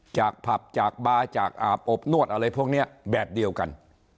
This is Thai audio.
จากผับจากบาร์จากอาบอบนวดอะไรพวกนี้แบบเดียวกัน